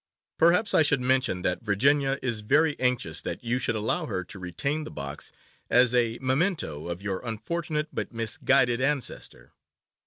Perhaps I should mention that Virginia is very anxious that you should allow her to retain the box as a memento of your unfortunate but misguided ancestor.